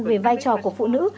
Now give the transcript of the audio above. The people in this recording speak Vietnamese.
về vai trò của phụ nữ